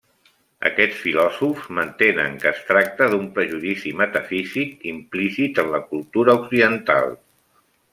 Aquests filòsofs mantenen que es tracta d'un prejudici metafísic implícit en la cultura occidental.